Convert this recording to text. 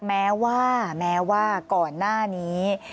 แม้ว่าแม้ว่าก่อนหน้านี้